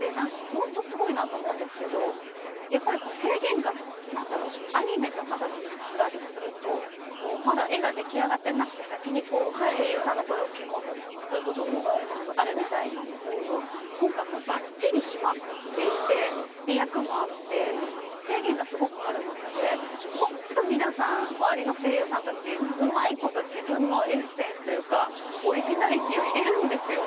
すごいと思うんですけれどもアニメとかだったりするとまだ絵が出来上がってなくて先に声優さんの声を吹き込んだりということもあるみたいなんですけれど今回は、ばっちり決まっていて役もあって制限がすごくある中で本当に皆さん周りの声優さんたちうまいこと自分のエッセンスというかオリジナリティーを入れるんです。